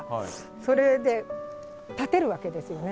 それで建てるわけですよね。